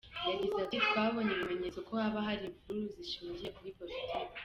Yagize ati“ Twabonye ibimenyetso ko haba hari imvururu zishingiye kuri politiki.